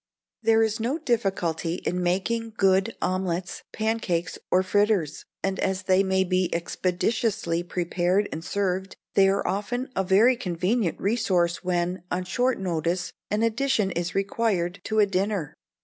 "There is no difficulty in making good omelettes, pancakes, or fritters; and, as they may be expeditiously prepared and served, they are often a very convenient resource when, on short notice, an addition is required to a dinner.